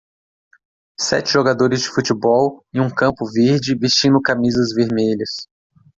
Sete jogadores de futebol em um campo verde vestindo camisas vermelhas